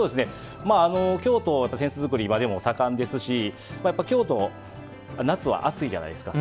京都で扇子作りは盛んですし、京都夏は暑いじゃないですか。